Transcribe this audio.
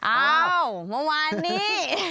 อ้าวเมื่อวานนี้